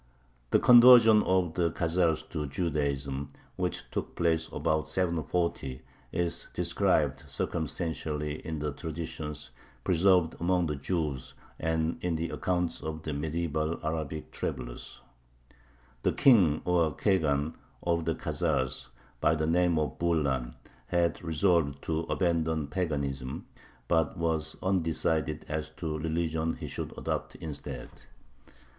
The conversion of the Khazars to Judaism, which took place about 740, is described circumstantially in the traditions preserved among the Jews and in the accounts of the medieval Arabic travelers: The King, or Khagan, of the Khazars, by the name of Bulan, had resolved to abandon paganism, but was undecided as to the religion he should adopt instead.